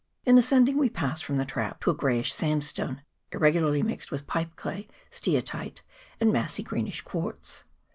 In ascending we pass from the trap to a greyish sandstone, irregularly mixed with pipe clay, steatite, and massy greenish quartz.